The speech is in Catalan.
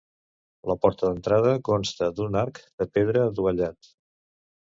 La porta d'entrada consta d'un arc de pedra adovellat.